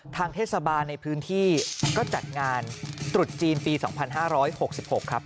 ทางเทศบาลในพื้นที่ก็จัดงานตรุษจีนปี๒๕๖๖ครับ